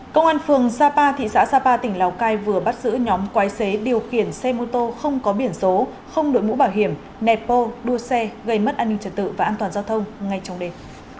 công an phường sapa thị xã sapa tỉnh lào cai vừa bắt giữ nhóm quái xế điều khiển xe mô tô không có biển số không đội mũ bảo hiểm nẹt bô đua xe gây mất an ninh trật tự và an toàn giao thông ngay trong đêm